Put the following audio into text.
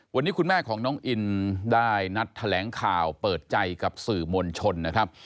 วันนี้คุณแม่ของน้องอินได้นัดแถลงข่าวเปิดใจกับสื่อมวลชนนะครับ